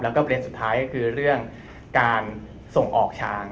แล้วก็ประเด็นสุดท้ายก็คือเรื่องการส่งออกช้าง